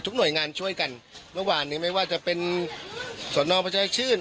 หน่วยงานช่วยกันเมื่อวานนี้ไม่ว่าจะเป็นสอนอประชาชื่น